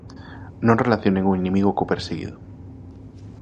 Non relacionen o inimigo co perseguido.